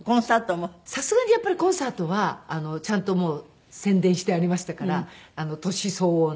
さすがにやっぱりコンサートはちゃんと宣伝してありましたから年相応の。